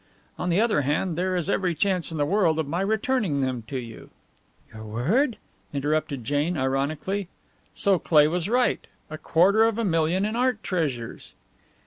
On the other hand, there is every chance in the world of my returning them to you." "Your word?" interrupted Jane, ironically. So Cleigh was right? A quarter of a million in art treasures!